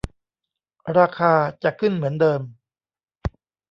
ราคาจะขึ้นเหมือนเดิม